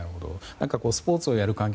スポーツをやる環境